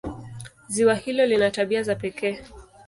Ziwa hilo lina tabia za pekee.